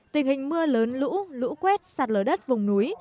tình hình mưa lớn lũ lũ quét sạt lở đất vùng núi